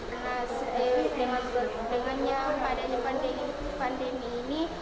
karena dengan pandemi ini kita tidak boleh berkumpul lagi